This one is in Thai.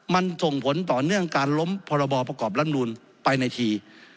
มันส่งผลต่อเนื่องการล้มพรบประกอบรัฐมนูลไปในที